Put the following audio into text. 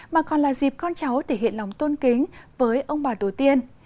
mà còn là dịp con cháu thể hiện lòng tôn kính với ông bà tổ tiên